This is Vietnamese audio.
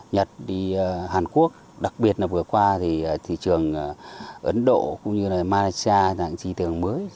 nhật hàn quốc đặc biệt là vừa qua thì thị trường ấn độ cũng như malaysia đang trì tưởng mới